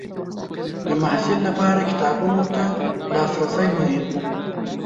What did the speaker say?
د محصل لپاره کتابونو ته لاسرسی مهم دی.